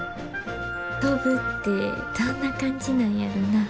飛ぶってどんな感じなんやろな。